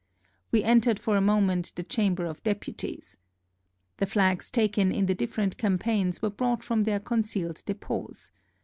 We entered for a moment the Chamber of Dep uties. The flags taken in the different campaigns were brought from their concealed depots.